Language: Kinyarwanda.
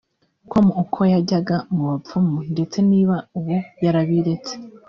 com uko yajyaga mu bapfumu ndetse niba ubu yarabiretse